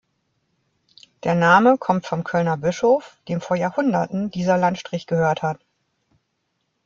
Der Name kommt vom Kölner Bischof, dem vor Jahrhunderten dieser Landstrich gehört hat.